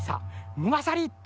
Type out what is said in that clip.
むがさり！